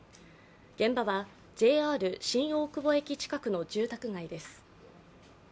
現場はＪＲ新大久保駅近くの住宅街です。